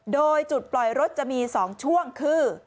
โดยจุดปล่อยรถจะมี๒ช่วงคือ